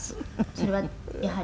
「それはやはり」